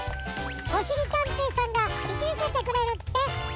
おしりたんていさんがひきうけてくれるって。